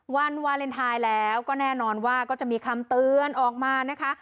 วันวาเลนไทยแล้วก็แน่นอนว่าก็จะมีคำเตือนออกมานะคะ